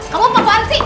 kamu penguat sih